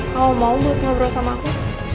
kamu mau buat ngobrol sama aku